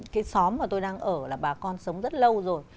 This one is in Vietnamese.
cái xóm mà tôi đang ở là bà con sống rất lâu rồi